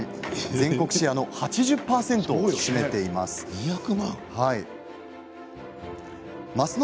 全国シェアの８０％を占めているといいます。